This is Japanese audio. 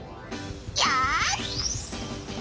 よし！